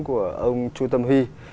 của ông chu tâm huy